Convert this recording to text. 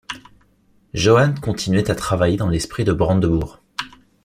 Johann continuait à travailler dans l'esprit de Brandebourg.